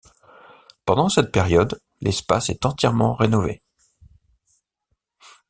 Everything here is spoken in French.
Pendant cette période, l'espace est entièrement rénové.